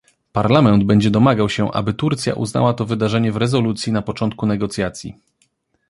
Parlament będzie domagał się, aby Turcja uznała to wydarzenie w rezolucji na początku negocjacji